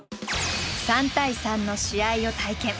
３対３の試合を体験。